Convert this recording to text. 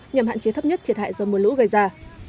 nhằm hạn chế thấp nhất thiệt hại do mưa lũ gây ra